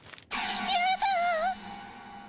やだ。